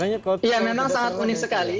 ya memang sangat unik sekali